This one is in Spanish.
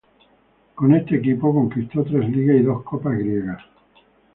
Con este equipo conquistó tres Ligas y dos Copas griegas.